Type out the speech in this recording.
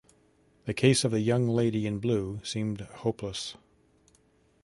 The case of the young lady in blue seemed hopeless.